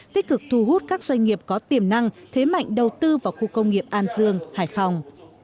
tích cực thu hút các doanh nghiệp có tiềm năng thế mạnh đầu tư vào khu công nghiệp an dương hải phòng